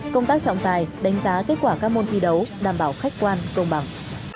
công tác trọng tài đánh giá kết quả các môn thi đấu đảm bảo khách quan công bằng